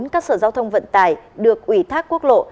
các sở giao thông vận tài được ủy thác quốc lộ